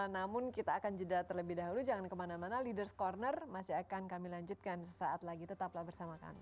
namun kita akan jeda terlebih dahulu jangan kemana mana leaders ⁇ corner masih akan kami lanjutkan sesaat lagi tetaplah bersama kami